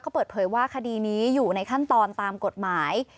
เขาเปิดเผยว่าคดีนี้อยู่ในขั้นตอนตามกฎหมาย